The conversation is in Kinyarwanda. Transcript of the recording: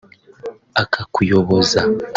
akakuyoboza